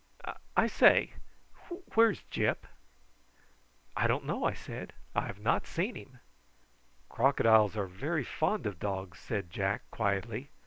I say, where's Gyp?" "I don't know," I said. "I have not seen him." "Crocodiles are very fond of dogs," said Jack quietly.